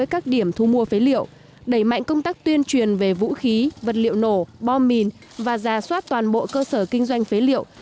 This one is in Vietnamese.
các công tác tuyên truyền về vũ khí vật liệu nổ bom mìn và giả soát toàn bộ cơ sở kinh doanh phế liệu